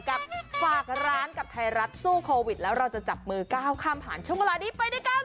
ฝากร้านกับไทยรัฐสู้โควิดแล้วเราจะจับมือก้าวข้ามผ่านช่วงเวลานี้ไปด้วยกัน